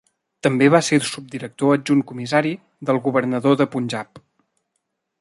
També va ser subdirector adjunt comissari del governador de Punjab.